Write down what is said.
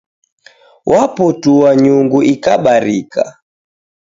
Wapotoa nyungu ikabarika